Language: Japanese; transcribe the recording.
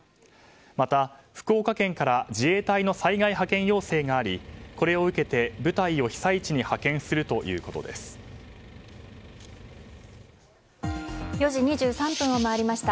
また、福岡県から自衛隊の災害派遣要請がありこれを受けて、部隊を４時２３分を回りました。